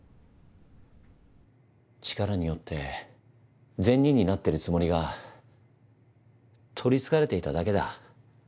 力に酔って善人になってるつもりが取りつかれていただけだ